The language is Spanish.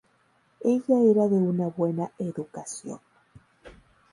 Ella era de una buena educación.